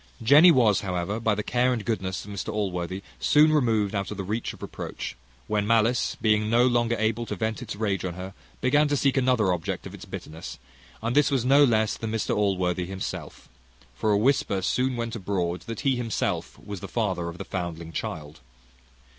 Jenny was, however, by the care and goodness of Mr Allworthy, soon removed out of the reach of reproach; when malice being no longer able to vent its rage on her, began to seek another object of its bitterness, and this was no less than Mr Allworthy, himself; for a whisper soon went abroad, that he himself was the father of the foundling child.